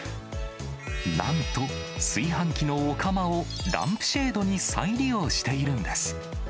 なんと、炊飯器のお釜を、ランプシェードに再利用しているんです。